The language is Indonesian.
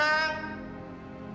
masih gak ada